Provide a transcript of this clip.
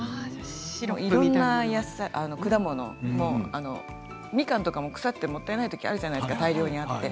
いろんな野菜、果物みかんとかも腐ってもったいないときあるじゃないですか大量にあって。